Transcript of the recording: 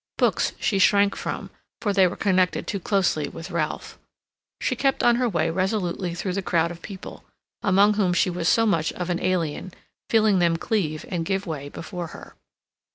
Books she shrank from, for they were connected too closely with Ralph. She kept on her way resolutely through the crowd of people, among whom she was so much of an alien, feeling them cleave and give way before her.